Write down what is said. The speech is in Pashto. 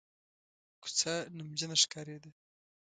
کوڅه نمجنه ښکارېده.